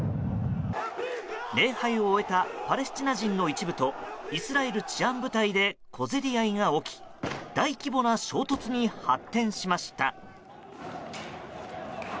礼拝を終えたパレスチナ人の一部とイスラエル治安部隊で小競り合いが起き大規模な衝突に発展しました。